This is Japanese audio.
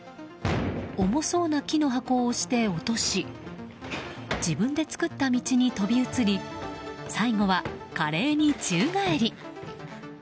重そうな木の箱を押して落とし自分で作った道に飛び移り最後は華麗に宙返り。